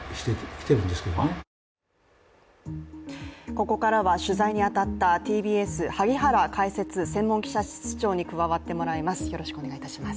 ここからは取材に当たったＴＢＳ萩原解説・専門記者室長に加わっていただきます。